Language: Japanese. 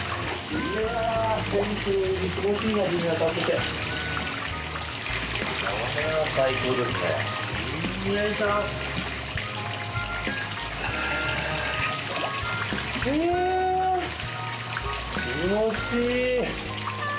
いやぁ気持ちいい！